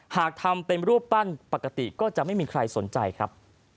หากทำเป็นรูปปั้นปกติก็จะไม่มีใครสนใจครับ